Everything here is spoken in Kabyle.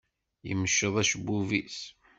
Yemceḍ acebbub-is.